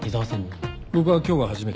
僕は今日が初めて。